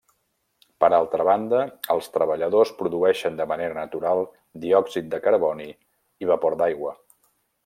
Per altra banda, els treballadors produeixen de manera natural diòxid de carboni i vapor d'aigua.